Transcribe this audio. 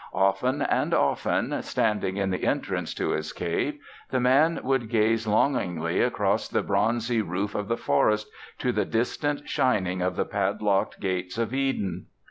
Often and often, standing in the entrance to his cave, the Man would gaze longingly across the bronzy roof of the forest to the distant shining of the padlocked gates of Eden.